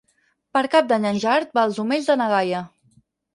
Per Cap d'Any en Gerard va als Omells de na Gaia.